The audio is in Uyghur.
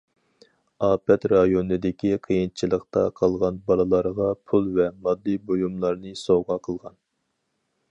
ئاپەت رايونىدىكى قىيىنچىلىقتا قالغان بالىلارغا پۇل ۋە ماددىي بۇيۇملارنى سوۋغا قىلغان.